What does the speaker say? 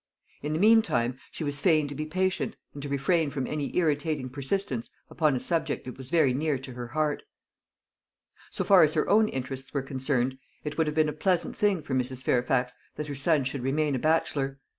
In the meantime she was fain to be patient, and to refrain from any irritating persistence upon a subject that was very near to her heart. So far as her own interests were concerned, it would have been a pleasant thing for Mrs. Fairfax that her son should remain a bachelor.